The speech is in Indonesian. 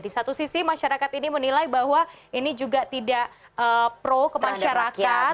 di satu sisi masyarakat ini menilai bahwa ini juga tidak pro ke masyarakat